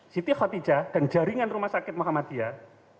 siti khotijah dan jaringan rumah sakit muhammadiyah